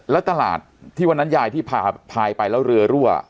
แล้วตลาดที่วันนั้นยายที่พายไปแล้วเรือรั่ว